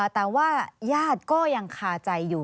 แต่ว่าญาติก็ยังคาใจอยู่